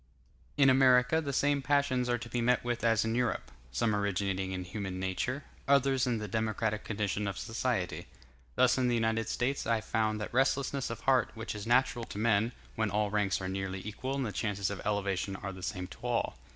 In America the same passions are to be met with as in Europe; some originating in human nature, others in the democratic condition of society. Thus in the United States I found that restlessness of heart which is natural to men, when all ranks are nearly equal and the chances of elevation are the same to all.